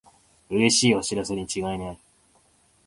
うれしいお知らせにちがいない